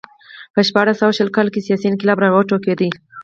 په شپاړس سوه شل کال کې سیاسي انقلاب راوټوکېد.